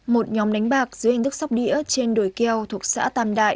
một nhóm đánh bạc dưới hình thức sóc đĩa trên đồi keo thuộc xã tam đại